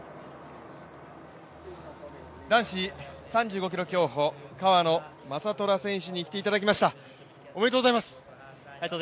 男子３５ｋｍ競歩川野将虎選手に来ていただきました、おめでとうございます。